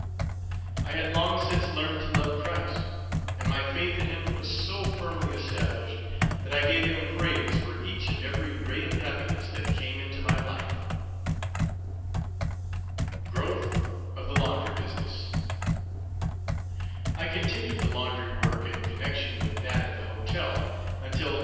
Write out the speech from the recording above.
I had long since learned to love Christ, and my faith in him was so firmly established that I gave him praise for each and every ray of happiness that came into my life. GROWTH OF THE LAUNDRY BUSINESS. I continued the laundry work, in connection with that at the hotel, until 1874.